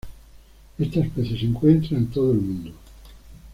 Esta especie se encuentra en todo el mundo.